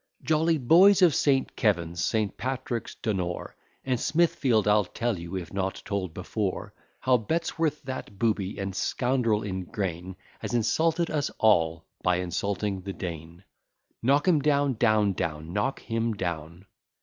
Jolly boys of St. Kevan's, St. Patrick's, Donore And Smithfield, I'll tell you, if not told before, How Bettesworth, that booby, and scoundrel in grain, Has insulted us all by insulting the Dean. Knock him down, down, down, knock him down.